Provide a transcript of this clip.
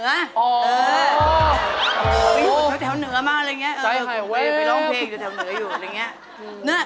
ไปร้องเพลงตะแถวเหนืออยู่แล้วอย่างนี้